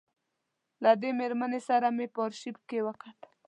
له دې مېرمنې سره مې په آرشیف کې وکتل.